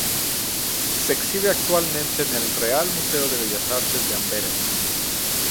Se exhibe actualmente en el Real Museo de Bellas Artes de Amberes.